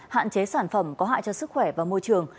hạn chế sản phẩm có hại cho sức khỏe và môi trường